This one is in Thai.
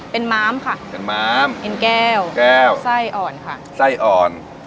เป็นมามค่ะเห็นแก้วไส้อ่อนค่ะ